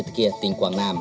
trên kia tỉnh quảng nam